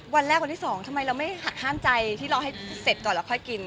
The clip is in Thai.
วันแรกวันที่๒ทำไมเราไม่หักห้ามใจที่เราให้เสร็จก่อนแล้วค่อยกิน